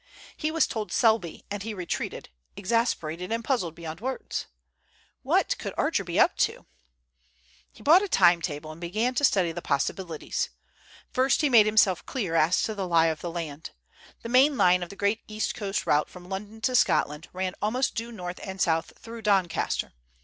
He was told "Selby," and he retreated, exasperated and puzzled beyond words. What could Archer be up to? He bought a time table and began to study the possibilities. First he made himself clear as to the lie of the land. The main line of the great East Coast route from London to Scotland ran almost due north and south through Doncaster.